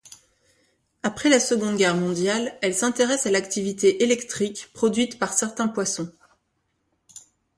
Après la Seconde guerre mondiale, elle s'intéresse à l'activité électrique produite par certains poissons.